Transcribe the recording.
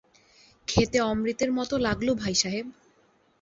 খেতে অমৃতের মতো লাগল ভাইসাহেব।